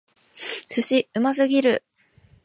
寿司！うますぎる！